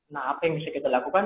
nah apa yang bisa kita lakukan